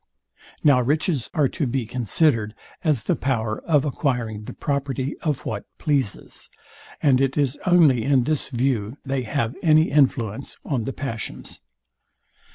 Now riches are to be considered as the power of acquiring the property of what pleases; and it is only in this view they have any influence on the passions.